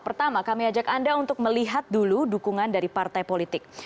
pertama kami ajak anda untuk melihat dulu dukungan dari partai politik